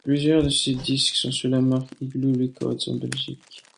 Plusieurs de ses disques sont sous la marque igloo records en Belgique.